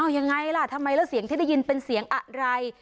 ยังไงล่ะทำไมแล้วเสียงที่ได้ยินเป็นเสียงอะไร